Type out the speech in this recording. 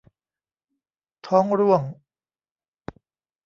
ท้องร่วง